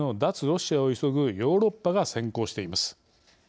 ロシアを急ぐヨーロッパが先行しています。